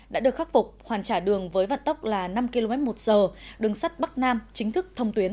đã được khắc phục hoàn trả đường với vận tốc là năm km một giờ đường sắt bắc nam chính thức thông tuyến